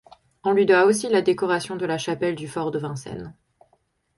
On lui doit aussi la décoration de la chapelle du fort de Vincennes.